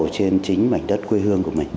trên chính mảnh đất quê hương của mình